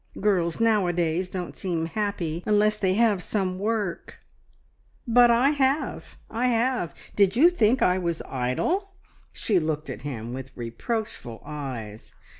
Girls nowadays don't seem happy unless they have some work " "But I have, I have! Did you think I was idle?" She looked at him with reproachful eyes.